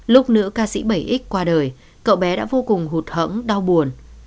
lúc nữ ca sĩ bảy x qua đời cậu bé đã vô cùng hụt hẫng đau buồn